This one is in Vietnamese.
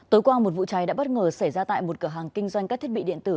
tối qua một vụ cháy đã bất ngờ xảy ra tại một cửa hàng kinh doanh các thiết bị điện tử